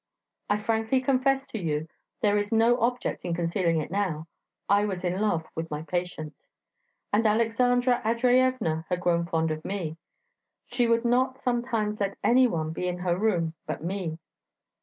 I frankly confess to you there is no object in concealing it now I was in love with my patient. And Aleksandra Andreyevna had grown fond of me; she would not sometimes let any one be in her room but me.